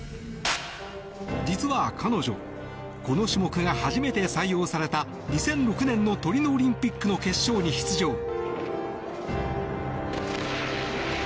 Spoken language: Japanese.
実は彼女この種目が初めて採用された２００６年のトリノオリンピックの決勝に出場。